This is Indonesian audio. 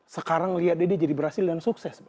sekarang liat deh dia jadi berhasil dan sukses bang